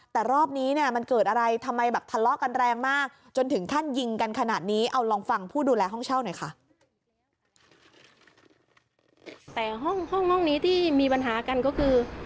แต่ห้องนี้ที่มีปัญหากันก็คือ